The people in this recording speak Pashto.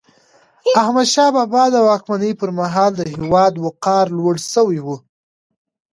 احمدشاه بابا د واکمني پر مهال د هیواد وقار لوړ سوی و.